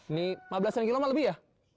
ini lima belas an kilo mah lebih ya